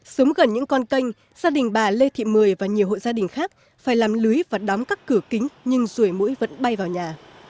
sống gần những con kênh gia đình bà lê thị mười và nhiều hộ gia đình khác phải làm lưới và đón các cửa kính nhưng ruồi mũi vẫn bay vào nhà